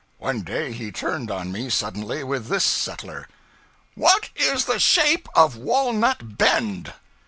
One day he turned on me suddenly with this settler 'What is the shape of Walnut Bend?'